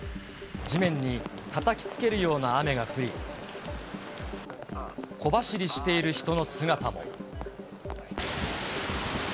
地面にたたきつけるような雨が降り、小走りしている人の姿も。